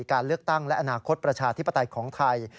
การเลือกตั้งและอนาคตประชาธิปไตยของไทย